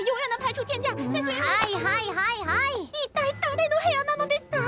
一体誰の部屋なのデスカ⁉